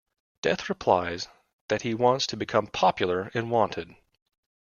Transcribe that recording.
Death replies that he wants to become popular and "wanted".